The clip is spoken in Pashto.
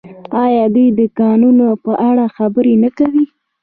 آیا دوی د کانونو په اړه خبرې نه کوي؟